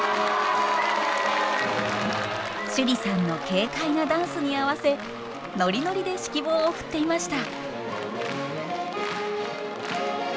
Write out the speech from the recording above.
趣里さんの軽快なダンスに合わせノリノリで指揮棒を振っていました。